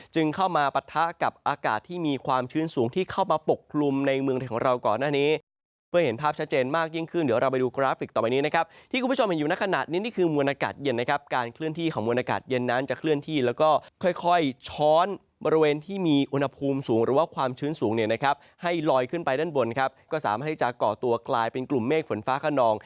จึงเข้ามาปรัฐะกับอากาศที่มีความชื่นสูงที่เข้ามาปกลุ่มในเมืองของเราก่อน